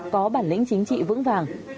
có bản lĩnh chính trị vững vàng